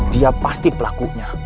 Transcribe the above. dia pasti pelakunya